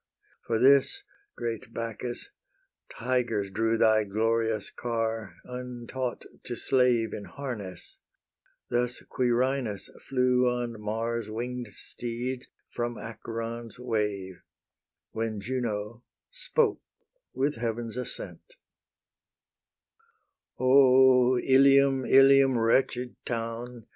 For this, great Bacchus, tigers drew Thy glorious car, untaught to slave In harness: thus Quirinus flew On Mars' wing'd steeds from Acheron's wave, When Juno spoke with Heaven's assent: "O Ilium, Ilium, wretched town!